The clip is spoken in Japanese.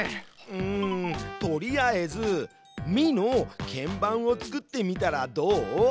うんとりあえず「ミ」の鍵盤を作ってみたらどう？